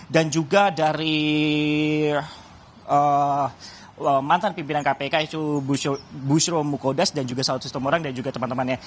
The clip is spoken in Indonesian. dan juga dari mantan pimpinan kpk yaitu bushro mukhodas dan juga salat sistem orang dan juga teman temannya